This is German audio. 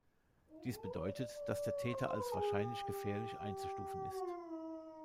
Dies bedeutet, dass der Täter als wahrscheinlich gefährlich einzustufen ist.